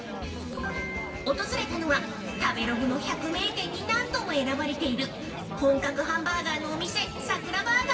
［訪れたのは食べログの百名店に何度も選ばれている本格ハンバーガーのお店］